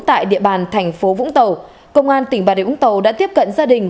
tại địa bàn thành phố vũng tàu công an tỉnh bà đề vũng tàu đã tiếp cận gia đình